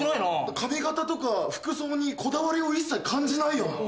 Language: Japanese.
髪形とか服装にこだわりを一切感じないよな。